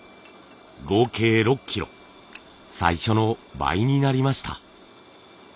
合計６キロ最初の倍になりました。